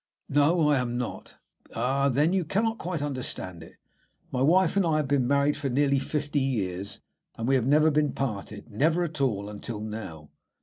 "No, I am not." "Ah, then you cannot quite understand it. My wife and I have been married for nearly fifty years, and we have never been parted, never at all, until now."